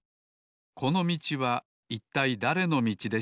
このみちはいったいだれのみちでしょうか？